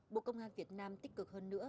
bộ công an việt nam tích cực hơn nữa